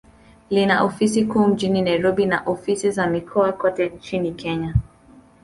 Lina ofisi kuu mjini Nairobi, na ofisi za mikoa kote nchini Kenya.